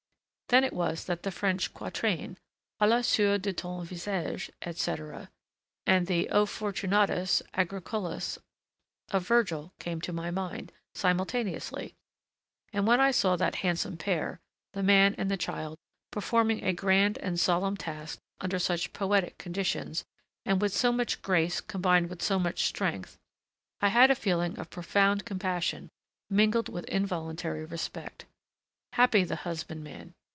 Then it was that the French quatrain: "A la sueur de ton visaige," etc., and the O fortunatos agricolas of Virgil, came to my mind simultaneously, and when I saw that handsome pair, the man and the child, performing a grand and solemn task under such poetic conditions, and with so much grace combined with so much strength, I had a feeling of profound compassion mingled with involuntary respect. Happy the husbandman.